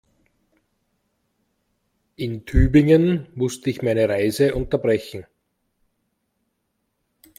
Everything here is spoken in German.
In Tübingen musste ich meine Reise unterbrechen